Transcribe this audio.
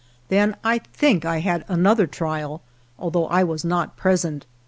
Then I think I had another trial, although I was not present.